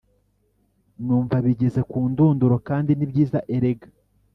Numva bigeze kundunduro kandi nibyiza erega